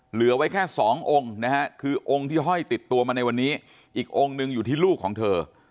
เหลือไว้แค่สององค์นะฮะคือองค์ที่ห้อยติดตัวมาในวันนี้อีกองค์หนึ่งอยู่ที่ลูกของเธอ